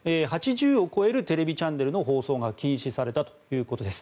８０を超えるテレビチャンネルの放送が禁止されたということです。